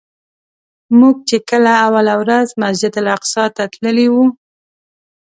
موږ چې کله اوله ورځ مسجدالاقصی ته تللي وو.